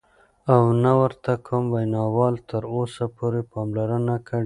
او نه ورته کوم وینا وال تر اوسه پوره پاملرنه کړې،